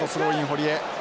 堀江。